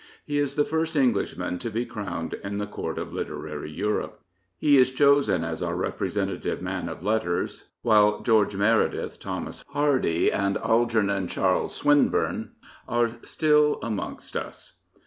He is the first Englishman to be crowned in the Court of Literary Europe. He is chosen as our representative man of letters, while George Meredith, Thomas Hardy, and Algernon Charles Swinburne are still amongst us.